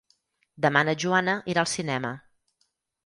Demà na Joana irà al cinema.